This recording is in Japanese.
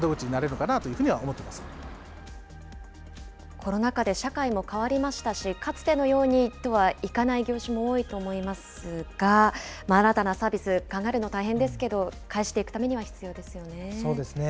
コロナ禍で社会も変わりましたし、かつてのようにとはいかない業種も多いと思いますが、新たなサービス、考えるの大変ですけど、そうですね。